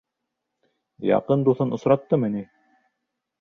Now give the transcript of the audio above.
Яҡын дуҫын осраттымы ни!